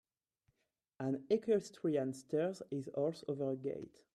An equestrian steers his horse over a gate.